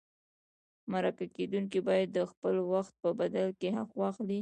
مرکه کېدونکی باید د خپل وخت په بدل کې حق واخلي.